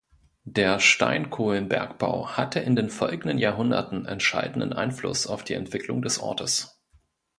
Der Steinkohlenbergbau hatte in den folgenden Jahrhunderten entscheidenden Einfluss auf die Entwicklung des Ortes.